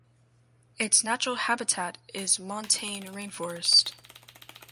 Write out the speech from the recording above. Its natural habitat is montane rainforest.